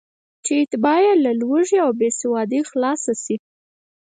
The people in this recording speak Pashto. چې اتباع یې له لوږې او بېسوادۍ خلاص شي.